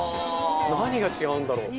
何が違うんだろう？